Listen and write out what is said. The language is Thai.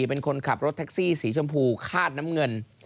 เป็นคนขับรถแท็กซี่สีชมพูคาดน้ำเงิน